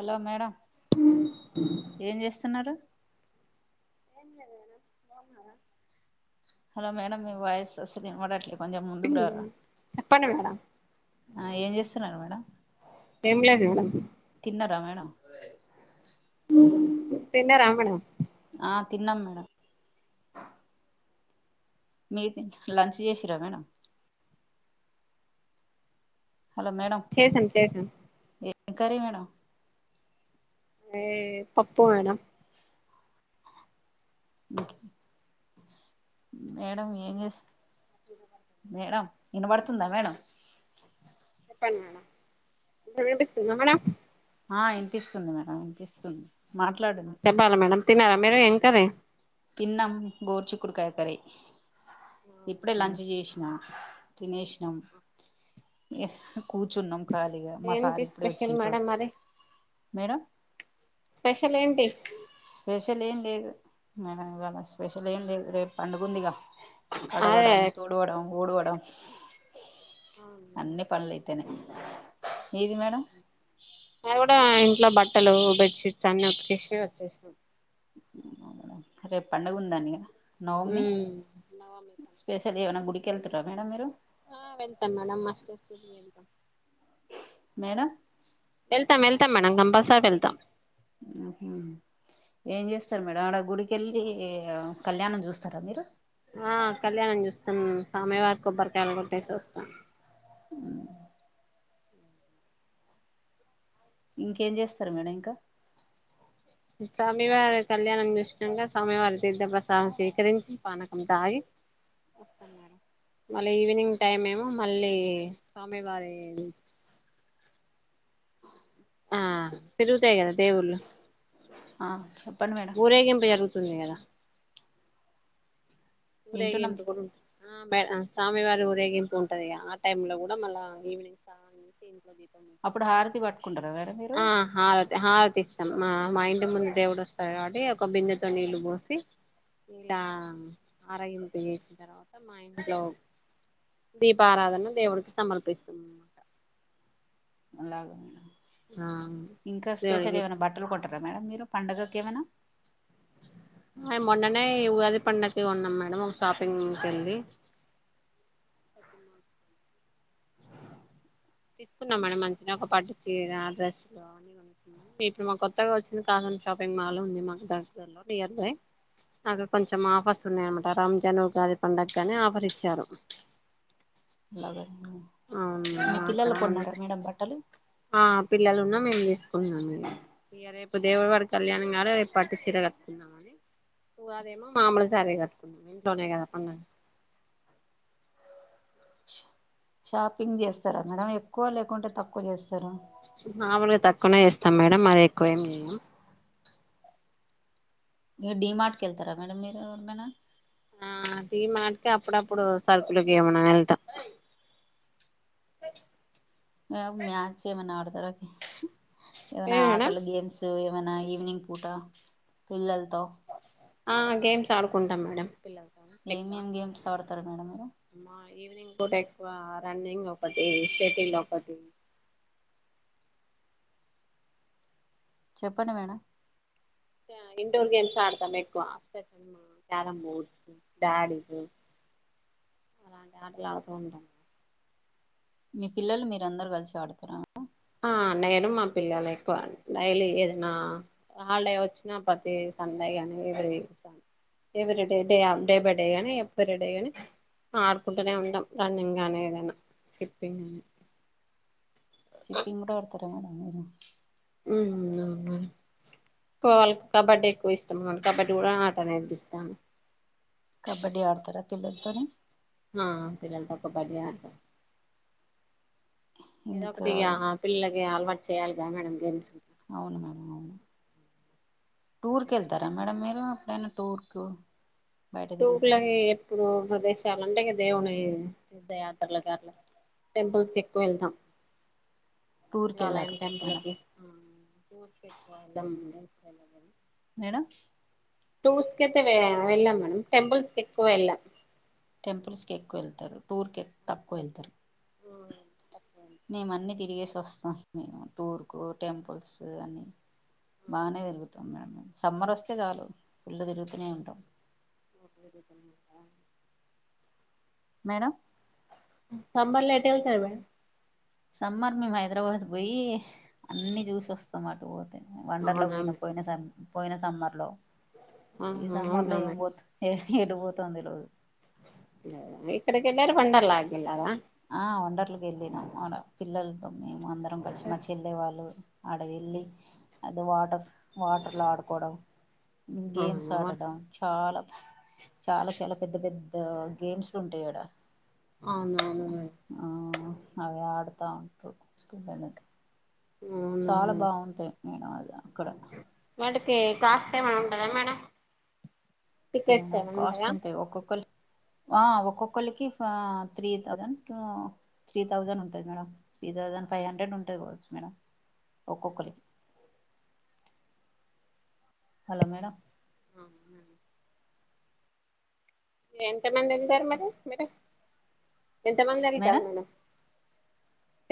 అలో madam ఏం చేస్తున్నారు. ఏం లేదు మేడం బాగున్నారా. Hello madam. మీ వాయిస్ అసలు వినపడట్లేద్ హ్మ్ చెప్పండి మేడం. ఆ ఏం చేస్తున్నారు మేడం ఏమి లేదు మేడం తిన్నారా [unintelligible] తిన్నారా మేడం ఆ తిన్నాం మేడం మీది లంచ్ జేసిర్ర మేడం హలో మేడం చేసాం చేసాం ఏం కర్రీ మేడం ఏ పప్పు మేడం మేడం ఏం చేస్ మేడం వినబడుతుందా మేడం చెప్పండి మేడం ఇప్పుడు వినిపిస్తుందా మేడం ఆ ఇనిపిస్తుంది మేడం ఇనిపిస్తుంది చెప్పాల మేడం తిన్నారా మీరు ఏం కర్రీ తిన్నాం గోరచుక్కుడుకాయ కర్రీ ఇప్పుడే లంచ్ చేసినా తినేష్ణం కూర్చున్నాం ఖాళీగా మా ఏంటి సారు ఇప్పుడే స్పెషల్ వచ్చిర్రు మేడం మరి మేడం స్పెషల్ ఏంటి స్పెషల్ ఏం లేదు మేడం ఇవాళ స్పెషల్ ఏం లేదు రేపు పండుగుందిగా అదే కడగడం తూడువడం ఊడువడ్ డం అన్నీ పనులు అయితేనే [unintelligible] ఇంట్లో బట్టలు బెడ్షీట్స్ అన్ని ఉతికేసి వచ్చేషినాం రేపు పండుగ ఉందని కద నవమి ఉమ్ స్పెషల్ ఏమన్నా గుడికి ఎళ్తుర్ర మేడం మీరు ఆ వెళ్తాం మేడం [unintelligible] మేడం ఎళ్తాం ఎళ్తాం మేడం కంపల్సరీ వెళ్తాం ఏం చేస్తారు మేడం ఆడ గుడికెళ్ళి కళ్యాణం చూస్తారా మీరు ఆ కళ్యాణం చూస్తామ్ స్వామివారి కి కొబ్బరికాయలు కొట్టేసి వస్తాను ఆ ఇంకేం చేస్తారు మేడం ఇంకా స్వామివారి కళ్యాణం చూసినాక స్వామివారి తీర్థప్రసాదం స్వీకరించి పానకం తాగి మళ్ళీ ఈవినింగ్ టైం ఏమో మళ్ళీ స్వామివారి ఆ తిరుగుతాయి గదా దేవుళ్ళు ఆ ఊరేగింపు జరుగు తుంది కదా వింటున్నాం ఊరేగింపు కూడా ఉంటుందా స్వామివారి ఊరేగింపు ఉంటది ఆ టైమ్ లో కూడా మళ్ళా ఈవినింగ్ స్నానం చేసి ఇంట్లో దీపం అప్పుడు హారతి పట్టుకుంటారా మేడం మీరు ఆ హారతి హారతిస్ మా మా ఇంటి ముందు దేవుడు వస్తడు కాబట్టి ఒక బిందెతో నీళ్ళు పోసి ఇలా ఆరగింపు చేసిన తర్వాత మా ఇంట్లో దీపారాధన దేవుడికి సమర్పిస్తుందిన్నమ అలాగ ఇంకా స్పెషల్ దేవుడికి ఏవైనా బట్టలు కొట్ ఉంటారా మేడం మీరు పండగకి ఏమనా ఆ మొన్ననే ఉగాది పండక్కి కొన్నాం మేడం ఒక షాపింగ్కి వెళ్ళి తీసుకున్నాం మేడం మంచిగా ఒక పట్టుచీర డ్రెస్లు అ ఇప్పుడు మా కొత్తగా వచ్చిన కాసం షాపింగ్ మాల్ ఉంది మా దగ్గరలో నియర్ బై నాకు కొంచెం ఆఫర్స్ ఉన్నాయంట రంజాను పండక్కనీ ఆఫర్ ఇచ్చారు లాగో అవును మాక మేడం బట్టలు ఆ పిల్లలున్నా మేము తీసుకున్నాం ఇక ఇక రేపు దేవుడివారి కళ్యాణం కాదు రేపు పట్టు చీర కట్టుకున్నా అని ఉగాదేమో మామూలుసారి కట్టుకున్నా ఇంట్లోనే కదా పండగ షాపింగ్ చేస్తారా మేడం ఎక్కువ లేకుంటే తక్కువ చేస్తారా మామలుగా తక్కువనే చేస్తాం మేడం మరి ఎక్కువేమి చేయం ఇగ డి మార్ట్ కెల్తారా మేడం మీరు ఎప్పుడైనా ఆ అది మాటికే అప్పుడప్పుడు సరుకులకి ఏమన్నా వెళ్తాం మ్యాచ్ ఏమైనా ఆడు తారా ఏమైనా ఏ మేడం ఆటలు గేమ్స్ ఏమైనా ఈవినింగ్ పూట పిల్లలతో ఆ గేమ్స్ ఆడుకుంటాం మేడమ్ ఏమేం గేమ్స్ ఆడతారు మేడం మీరు మా ఈవినింగ్ పూట ఎక్కువ రన్నింగ్ ఒకటి షటిల్ ఒకటి చెప్పండి మేడం ఇండోర్ గేమ్స్ ఆడతాము ఎక్కువ అష్టచెమ్మా క్యారం బోర్డ్స్ డాడీస్ అలాంటి ఆటలు ఆడుతూ ఉంటాము మీ పిల్లలు మీర అందరు కలిసి ఆడతార ఆ నేను మా పిల్లలు ఎక్కువ డైలీ ఏదైనా హాలిడే వచ్చినా ప్రతి సండే గాని every every day day day by day కానీ ఎవ్రీ డే ని ఆడుకుంటూనే ఉంటాం రన్నింగ్ నీ ఏదైనా స్కిప్పింగ్ స్కిప్పింగ్ కూడా ఆడ్తర కట్ట మడ క్కువ వాళ్ళకి కబడ్డీ ఎక్కువ ఇష్టం ఆ కబడ్డీ కూడా ఆటనేర్పిస్తాను కబడ్డీ ఆడతారా పిల్లలతోని ఆ పిల్లలతో కబడ్డీ ఆడత ఏదో ఇంకా ఒకటిగా ఆ పిల్ల ఏ అలవాటు చేయాలిగా మనం గెమ్స్ అవును మేడం అవును టూర్కి వెళ్తారా ఎందుకంటే మేడం మీరు ఎప్పుడైనా టూర్కు బయట తిరుగుతారా టూర్లకి ఎప్పుడు [unintelligible] చాలంటే ఇగ దేవుని తీర్థయాత్రల కట్ల టెంపుల్స్ కి ఎక్కువ వెళ్తాం టూర్కి శివాలయం వెళ్ళారు మేడం టెంపుల్కి [inaudible] మేడం టూర్స్ కయితే వెళ్ళాం మేడమ్ టెంపుల్స్ కి ఎక్కువ వెళ్ళాం టెంపుల్స్ కి ఎక్కువ వెళ్తారు టూర్ క తక్కువ వెళ్తారు మే అందుకే తిరిగేస్ వస్తాం మేము టూర్కు టెంపుల్స్ అని బాగానే తిరుగుతాం మేడం మేము సమ్మర్ ఒస్తే చాలు పుల్ తిరుగుతనే ఉంటం ఒక ప్లేట్ తినదుక మేడం సమ్మర్ల ఎటు వెళ్తారు మేడం సమ్మర్ మేము హైదరాబాద్ పోయి అన్ని చూసి వస్తాం అటు వండర్ల అవునా పోయిన మేడం పోయినసారి పోయిన సమ్మర్ లో ఈ సమ్మర్ లో అవునా ఏం మేడం పోతువ్ ఏ ఎటు పోతం తెలువదు ఎక్కడికి వెళ్లారు వండర్లకి గాదా ఆ వండర్లకు వెళ్ళినాము ఆడ పిల్లలతో మేము అందరం వచ్చిన మా చెల్లె వాళ్లు ఆడవెల్లి అది వాటర్ వాటర్లు ఆడుకోవడం గేమ్స్ అవునా ఆడడం చాలా చాలా చాలా పెద్ద పెద్ద గేమ్స్ ఉంటయాడా అవును అవును మేడమ్ అవే ఆడుతా ఉంటరు పిల్లలు ఉను అవును నేను అది అక్కడ టికి కాస్ట్ ఏమన ఉంటదా మేడం టికెట్స్ మేడం ఏమైనా కాస్ట్ ఉంటాయా ఉంటాయి ఒక్కొక్కలికి ఆ ఒక్కొక్కలికి త్రీ థౌజండ్ త్రీ థౌజండ్ ఉంటది madam. Three thousand five hundred ఉంటది కావచ్చు. మేడం ఒక్కొక్కరికి హలో మేడం హూ ఉ ఎంత మంది వెళ్తారు మరి మిరు ఎంత మంది ఎల్తామ్ మేడం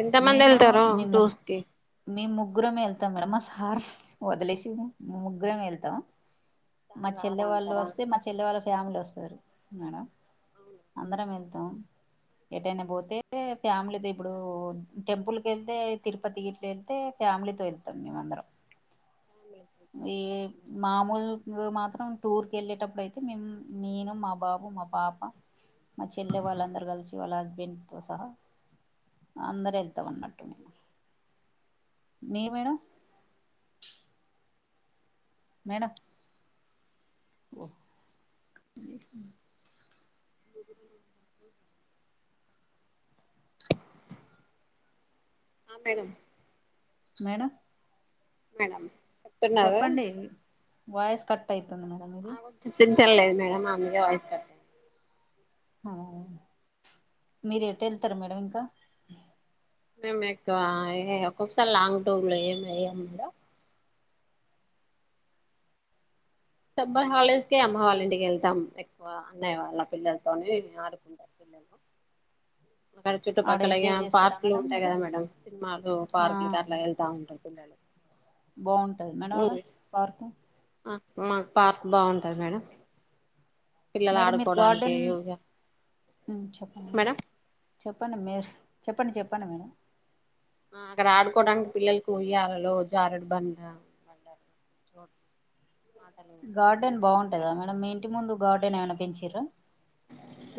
ఎంత మంది మేము వెళ్తారు మే ముగు టూర్స్ కి మేము ముగ్గురమే వెళ్తాం మేడం మా స్కూల్ కి హార్స్ వదిలేసిమో ముగ్గురం వెళ్తావా మా చాలా చెల్లె వాళ్ళు అంటారా వస్తే మా చెల్లె వాళ్ళ ఫ్యామిలీ వస్తరు మేడం అవునా అందరం వెళ్తాం ఎటైనా పోతే ఫ్యామిలీది ఇప్పుడు టెంపుల్ కెళ్తే ఈ తిరుపతి గిట్ల ఎళ్తే ఫ్యామిలీతో వెళ్తాం మేమందరం ఫ్యామిలీ ఈ మామూలు మూ మా ఆ టూర్ కి ఎళ్ళేటప్పుడు అయితే మేము నేను మా బాబు మా పాప మా చెల్లె వాళ్ళందరూ కలిసి వాళ్ళ హస్బెండ్తో సహా అందరూ వెళ్తాం అన్నట్టు [inaudible] మీరు మేడం మేడం ఓ హ్మ్ ఆ మేడం మేడం మేడమ్ చెప్పండి వాయస్ కట్టై తుంది మేడం ఇది తెల్లేదు మేడం అందుకే వాయిస్ కట్టై [inaudible] మీరు ఎటెళ్తారు మేడం ఇంకా మేము ఎక్కువ [unintelligible] ఒక్కొక్కసారి లాంగ్ టూర్ లేం ఎయ్యం [unintelligible] సమ్మర్ హాలిడేస్కే అమ్మ వాళ్ళింటికెళ్తాం ఎక్కువ అన్నయ్య వాళ్ళ పిల్లలతోని ఆడుకుంటారు పిల్లలు అక్కడ ఆడ చుట్టుపక్కల ఇగ ఎంజాయ్ చేస్తారా పార్కులు మేడం ఉంటాయి మీరు కదా మేడం సినిమాలు పార్కులుకి అట్లా వెళ్తా ఉంటాం పిల్లలు బావుంటది మేడం ఆడ మూవీస్ పార్కు మాకు పార్క్ బావుంటాది మేడం పిల్లలు మేడం మీరు ఆడుకోవడానికి గార్డెన్ [unintelligible] మేడం చెప్పండి మిస్ చెప్పండి చెప్పండి మేడం ఆ అక్కడ ఆడుకోవటానికి పిల్లలకు ఉయ్యాలల జారుడు బండ [inaudible] గార్డెన్ మంచిగా ఉంటాయి బావుంటదా అక్కడ మేడం మీ ఇంటి ముందు గార్డెన్ ఏమన్నా పెంచిర్రా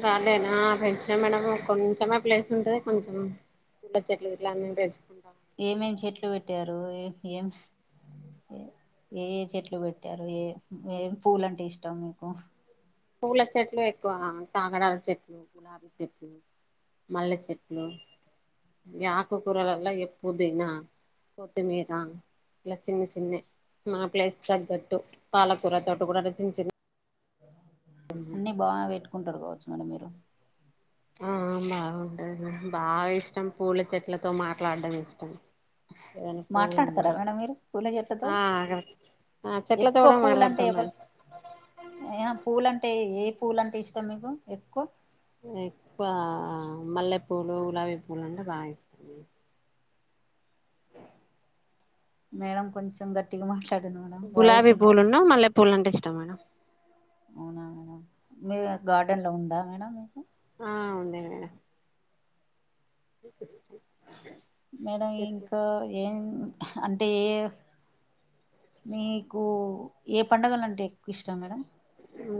గార్డెనా పెంచిన మేడమ్ కొంచెమే ప్లేస్ ఉంటది కొంచెం [unintelligible] చెట్లు ఇట్లన్నీ పెంచుకుంట ఏమేం చెట్లు పెట్టారు ఏ ఏం ఏ ఏ చెట్లు పెట్టారు ఏ ఏం పూలంటే ఇష్టం మీకు పూల చెట్లు ఎక్కువ కాగడాల చెట్లు గులాబీ చెట్లు మల్లె చెట్లు ఆకుకూరలల్ల ఎ పుదీనా కొత్తిమీర ఇలా చిన్న చిన్ని మా ప్లేస్ తగ్గట్టు పాలకూర తోట [unintelligible] చిన్న చిన్న అన్నీ బాగా ఎట్టుకుంటాడు కావచ్చు మని మీరు ఆ బాగుంటది బాగా ఇష్టం పూల చెట్లతో మాట్లాడ్డం ఇష్టం ఏదైనా పూలున్నా మాట్లాడతారా మేడం మీరు పూల చెట్టుతో ఆ ఆ చెట్లతో ఎక్కువ కూడా పూలు అంటే మాట్లాడతాం ఎవరు మేడం ఏం అ పూలంటే ఏ పూలంటే ఇష్టం మీకు ఎక్కువ ఎక్కువ మల్లెపూలు గులాబీ పూలు అంటే బాగా ఇష్టం మేడం కొంచం గట్టిగా మా [unintelligible] గులాబీ పూలున్ను మల్లె పూలంటే ఇష్టం మేడం అవునా మీ గార్డన్ లో ఉందా మేడం మీకు ఆ ఉందే మేడం మేడం ఇంకా ఏం అంటే ఏ మీకు ఏ పండగల అంటే ఎక్కువ ఇష్టం మేడం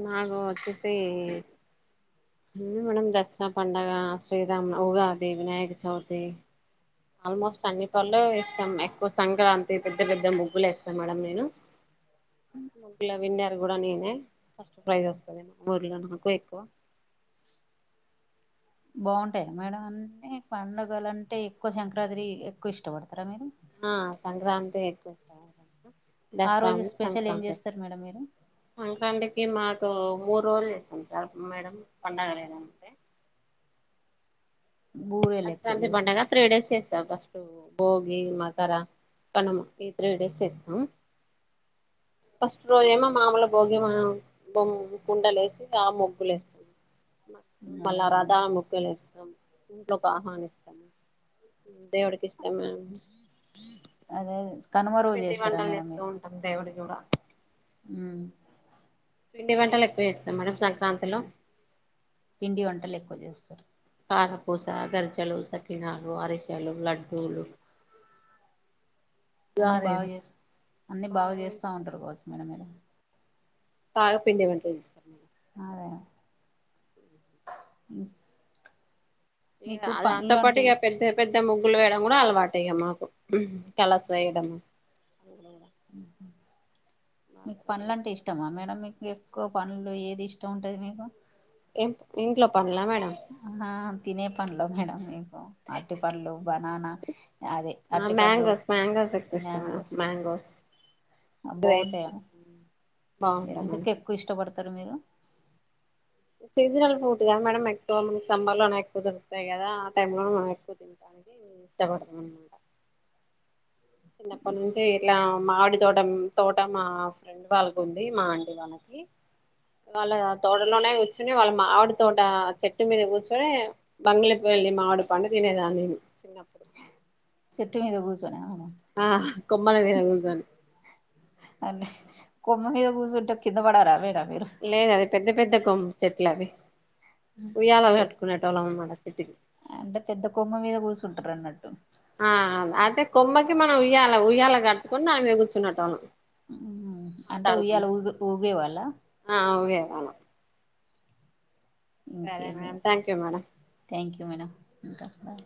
నాకు వచ్చేసి హే మేడం దసరా పండగ శ్రీరామ్ ఉగాది వినాయక చవితి ఆల్మోస్ట్ అన్ని పల్లు ఇష్టం ఎక్కువ సంక్రాంతి పెద్ద పెద్ద ముగ్గులు వేస్తా మేడం నేను ముగ్గులు విన్నరు కూడా నేనే ఫస్ట్ ప్రైజ్ వస్తది మా ఊర్ల నాకు ఎక్కువ బాగుంటాయ మేడం అన్ని పండుగలు అంటే ఎక్కువ సంక్రాతిరి ఎక్కువ ఇష్టపడతారా మీరు ఆ సంక్రాంతి ఎక్కువ ఇష్టపడత నేను ఆ రోజు స్పెషల్ ఏం చేస్తరు మేడం మీరు ఇగ మాకు మూడు రోజులు చెస్తాం సర్ మేడం పండగ లేదంటే బూరెలు ఎక్కువ సంక్రాంతి పండగ చేస్తారు త్రీ డేస్ చేస్త పస్ టు బోగి మకర తను ఈ త్రీ డేస్ చేస్తాం ఫస్ట్ రోజేమో మామూలు భోగి మా మ్ బొం కుండలేసి ఆ మొగ్గులేస్తాం మ మళ్ళ అలాగా మేడం రథా ముగ్గులేస్తాం ఇంట్లోకి ఆహ్వానిస్తం దేవుడికి ఇష్టం మామ్ అదే కనుమ రోజు పిండి చేస్తారా వంటలు మేడం జేస్తూ ఉంటాం దేవుడి కూడా ఊ పిండి వంటలు ఎక్కువ ఏస్తాం మేడం సంక్రాంతిలో పిండి వంటలు ఎక్కువ చేస్తారు కారపూస గరిచెలు సకినాలు అరిసలు లడ్డూలు అన్ని బాగా గారెలు చేస్ అన్ని బాగా చేస్తా ఉంటారు కావచ్చు మేడం మీరు పాగా పిండి వంటలు జేస్తాం మేం అదే ఉ ఇగ అదాంతో పాటు ఇగ పెద్ద పెద్ అంటే ముగ్గులు వేయడం కూడా అలవాటే ఇగ మాకు కలస్ వేయడం ఊహు మీకు పనులంటే ఇష్టమా మేడం మీకు ఇగ ఎక్కువ పనులు ఏది ఇష్టం ఉంటది మీకు ఎం ఇంట్లో పా ఆహ తినే పండ్లో మేడం మీకు అరటి పళ్లు బ నానా ఆ మ్యాంగోస్ మ్యాంగోస్ ఎక్కువ ఇష్టం మేడం మ్యాంగోస్ మ్యాంగోస్ గ్రేప్స్ బాగుంటాయా ఊ బాగుంటయి మేడం తరు మీరు సీజనల్ ఫ్రూట్ కదా మేడం ఎక్కువ మనకి సమ్మర్ లోనే ఎక్కువ దొరుకుతాయి కదా ఆ టైం లోనే మనం ఎక్కువ తింటనికి ఇష్టపడతననమాట చిన్నప్పనుంచే ఇట్లా మామిడి తోట తోట మా ఫ్రెండ్ వాళ్ళక్ ఉంది మా ఆంటి వాళ్ళకి వాళ్ళ తోటలోనే ర్చని వాళ్ళ మావిడి తోట చెట్టు మీద కూర్చొని బంగిలి పళ్ళి మావిడి పండు తినేదాన్ని చిన్నప్పుడు చెట్టు మీద కూస్ ఆ కొమ్మల మీద గుసోని అ కొమ్మ మీద కూసుంటే కింద బడరా మేడం మీరు లేదు అది పెద్ద పెద్దకొ చెట్లవ్వి చెట్టుకి అంటె పెద్ద కొమ్మ మీద కూసుంటర్ అన్నట్టు ఆ అంటె కొమ్మకి మనం ఉయ్యాల ఉయ్యాల కట్టుకొని దాని మీద కూర్చునె టోళ్ళం అంటే ఉయ్యాల ఊ ఊగేవాళ్ళ అవునా ఇంకేది madam thank you madam thank you madam ఇంకా బ